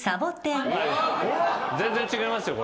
全然違いますよ